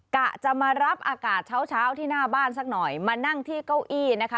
กะจะมารับอากาศเช้าเช้าที่หน้าบ้านสักหน่อยมานั่งที่เก้าอี้นะคะ